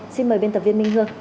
xin mời biên tập viên minh hương